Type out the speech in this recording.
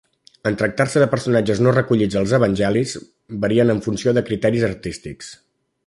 En tractar-se de personatges no recollits als evangelis, varien en funció de criteris artístics.